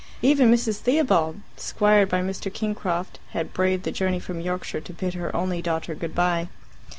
Even Mrs. Theobald, squired by Mr. Kingcroft, had braved the journey from Yorkshire to bid her only daughter good bye.